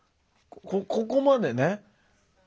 ここまでね。